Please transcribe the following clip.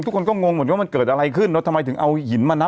ทุกคนก็งงเหมือนกันว่ามันเกิดอะไรขึ้นเนอะทำไมถึงเอาหินมานับ